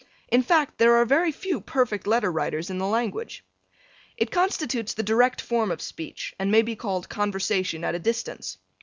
In fact there are very few perfect letter writers in the language. It constitutes the direct form of speech and may be called conversation at a distance.